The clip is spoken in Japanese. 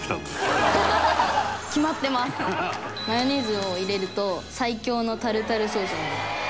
マヨネーズを入れると最強のタルタルソースになる。